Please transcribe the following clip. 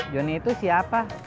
jonny itu siapa